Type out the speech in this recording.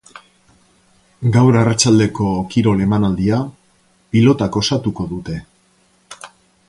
Gaur arratsaldeko kirol emanaldia pilotak osatuko dute.